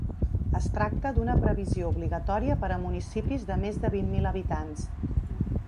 Es tracta d’una previsió obligatòria per a municipis de més de vint mil habitants.